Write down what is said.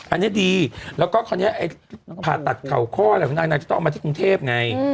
อันนี้ดีแล้วก็คราวนี้ผ่าตัดเข่าข้ออะไรของนางนางจะต้องเอามาที่กรุงเทพไง